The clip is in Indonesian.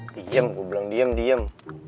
diam gue bilang diam diam